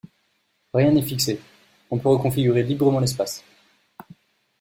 Rien n'est fixé, on peut reconfigurer librement l'espace.